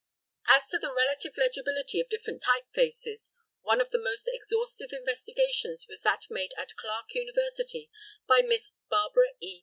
As to the relative legibility of different type faces, one of the most exhaustive investigations was that made at Clark University by Miss Barbara E.